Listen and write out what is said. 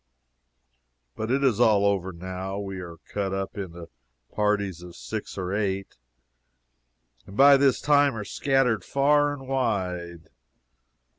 But it is all over now. We are cut up into parties of six or eight, and by this time are scattered far and wide.